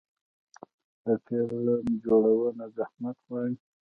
د فلم جوړونه زحمت غواړي.